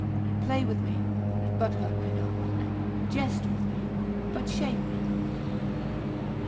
Play with me, but hurt me not: Jest with me, but shame me not.